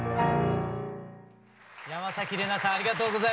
山玲奈さんありがとうございました。